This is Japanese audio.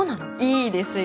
いいですよ。